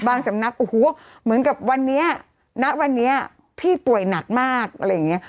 สำนักโอ้โหเหมือนกับวันนี้ณวันนี้พี่ป่วยหนักมากอะไรอย่างนี้